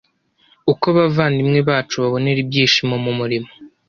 Uko abavandimwe bacu babonera ibyishimo mu murimo